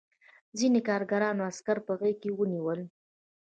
ځینو کارګرانو عسکر په غېږ کې ونیول